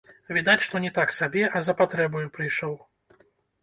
Відаць, што не так сабе, а за патрэбаю прыйшоў.